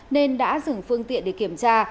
nên đã dừng phương tiện để kiểm tra